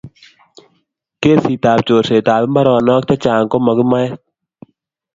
kesit abchorset ab mbaronok che chang komakimaet